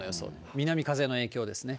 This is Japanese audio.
南風の影響ですね。